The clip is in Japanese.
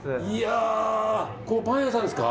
ここ、パン屋さんですか？